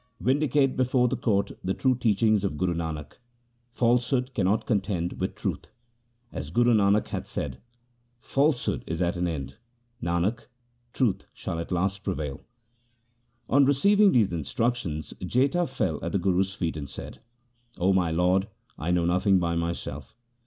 Vindicate before the court the true teaching of Guru Nanak. Falsehood cannot contend with truth. As Guru Nanak hath said :— Falsehood is at an end, Nanak, truth at last shall prevail. 1 On receiving these instructions Jetha fell at the Guru's feet, and said, ' O my lord, I know nothing by myself.